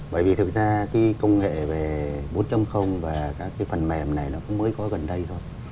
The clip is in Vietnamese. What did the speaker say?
bởi vì thực ra cái công nghệ về bốn và các cái phần mềm này nó cũng mới có gần đây thôi